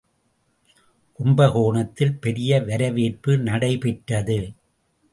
கும்பகோணத்தில் பெரிய வரவேற்பு நடைபெற்றது.